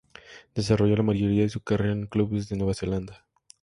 Desarrolló la mayoría de su carrera en clubes de Nueva Zelanda.